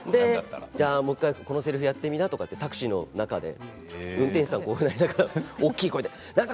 もう１回このせりふやってみなとかタクシーの中で、運転手さん笑いながら大きな声で。